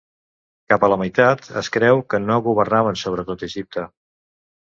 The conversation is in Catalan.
Cap a la meitat, es creu que no governaven sobre tot Egipte.